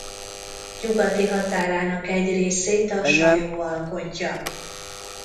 Nyugati határának egy részét a Sajó alkotja.